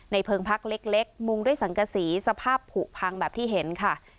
เพิงพักเล็กมุงด้วยสังกษีสภาพผูกพังแบบที่เห็นค่ะ